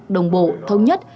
đồng bộ thông nhất